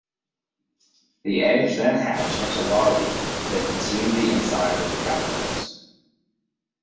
The eggs then hatch into larvae that consume the insides of the caterpillars.